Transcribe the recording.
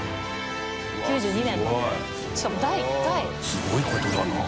すごいことだな。